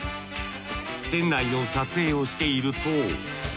店内の撮影をしていると。